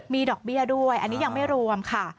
มีดอกเบี้ยด้วยอันนี้ยังไม่รวมค่ะ